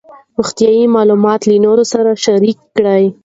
روغتیایي معلومات له نورو سره شریک کړئ.